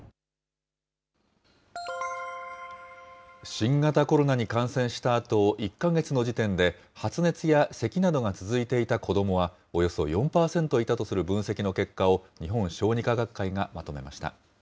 新型コロナに感染したあと、１か月の時点で発熱やせきなどが続いていた子どもはおよそ４％いたとする分析の結果を日本小児科学会がまとめました。